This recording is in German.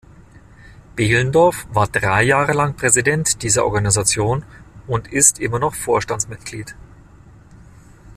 Behlendorf war drei Jahre lang Präsident dieser Organisation und ist immer noch Vorstandsmitglied.